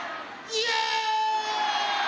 イエーイ！